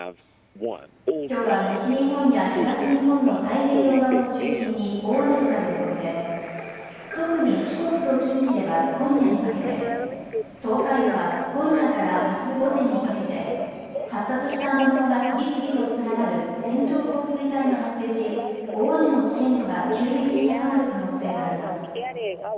きょうは西日本や東日本の太平洋側を中心に大雨となる見込みで、特に四国と近畿では今夜にかけて、東海では今夜からあす午前にかけて、発達した雨雲が次々と連なる線状降水帯が発生し、大雨の危険度が急激に高まる可能性があります。